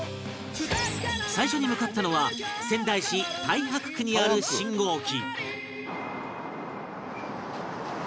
最初に向かったのは仙台市太白区にある信号機